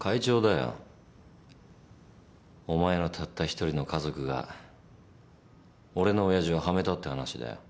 お前のたった１人の家族が俺のおやじをはめたって話だよ。